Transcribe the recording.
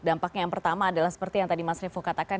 dampaknya yang pertama adalah seperti yang tadi mas revo katakan